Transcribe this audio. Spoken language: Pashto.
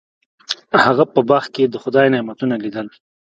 هغه په باغ کې د خدای نعمتونه لیدل.